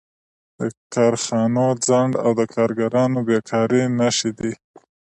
د کارخانو ځنډ او د کارګرانو بېکاري نښې دي